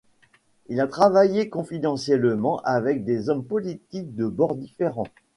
Il a travaillé confidentiellement avec des hommes politiques de bords différents.